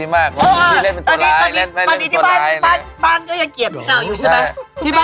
มาเจ็ดสถานการณสมบูรณ์ขอคำถามค่ะ